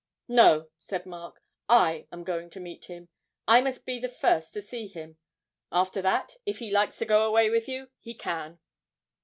'No,' said Mark; 'I am going to meet him. I must be the first to see him. After that, if he likes to go away with you, he can.'